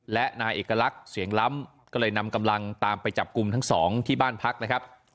และนายเอกลักษณ์เสียงล้ำก็เลยนำกำลังตามไปจับกลุ่มทั้งสองที่บ้านพักนะครับ